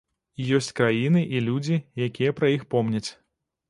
І ёсць краіны і людзі, якія пра іх помняць.